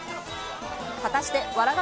果たして、笑